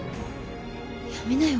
やめなよ